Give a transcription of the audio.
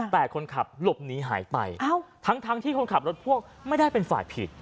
แต่คนขับหลบหนีหายไปทั้งที่คนขับรถพ่วงไม่ได้เป็นฝ่ายผิด